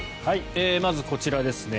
まずこちらですね。